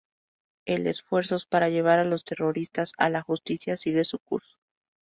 El esfuerzos para llevar a los terroristas a la justicia sigue su curso.